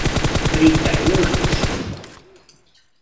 Trinta e un anos.